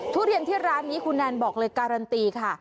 ทุเรียนที่ร้านนี้คุณแนนบอกเลยการันตีค่ะ